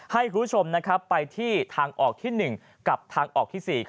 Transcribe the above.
ให้คุณผู้ชมไปที่ทางออกที่๑กับทางออกที่๔